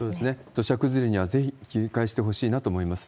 土砂崩れにはぜひ警戒してほしいなと思います。